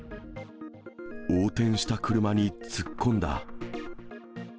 横転した車に突っ込んだ。